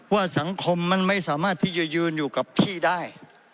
ว่าสังคมมันไม่สามารถที่จะยืนอยู่กับที่ได้